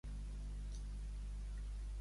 Quan va començar a participar a España Directo?